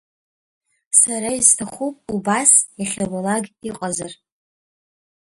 Сара исҭахуп убас иахьабалак иҟазар.